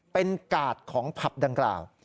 เป็นกาดของผับดังกล่าว